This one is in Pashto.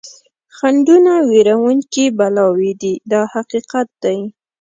خنډونه وېروونکي بلاوې دي دا حقیقت دی.